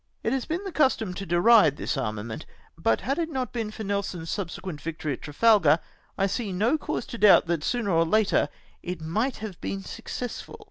It has been the custom to deride this armament, but had it not been for Nel son's subsequent victoiy at Trafalgar, I see no cause to doubt that sooner or later it might have been successful.